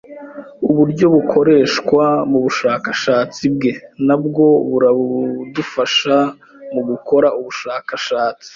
Uburyo bukoreshwa mubushakashatsi bwe nabwo buradufasha mugukora ubushakashatsi.